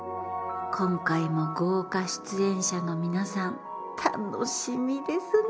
今回も豪華出演者の皆さん楽しみですね！